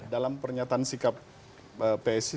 dalam pernyataan sikap psi